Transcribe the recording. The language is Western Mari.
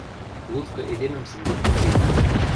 Луцкы эдемӹм сӹнгет гыце?